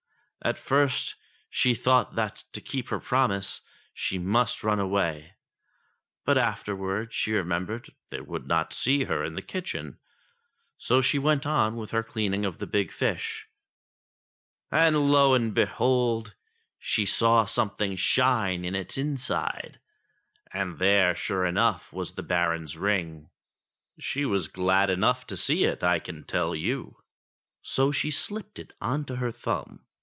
At first, she thought that, to keep her promise, she must run away ; but afterwards she remembered they would not see her in the kitchen, so she went on with her cleaning of the big fish. And lo and behold ! she saw something shine in its in side, and there, sure enough, was the Baron's ring ! She was glad enough to see it, I can tell you ; so she slipped it on to her thumb.